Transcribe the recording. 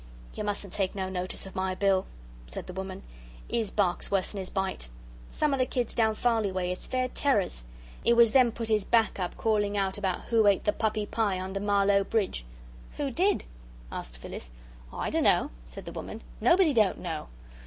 "You mustn't take no notice of my Bill," said the woman; "'is bark's worse'n 'is bite. Some of the kids down Farley way is fair terrors. It was them put 'is back up calling out about who ate the puppy pie under Marlow bridge." "Who DID?" asked Phyllis. "I dunno," said the woman. "Nobody don't know!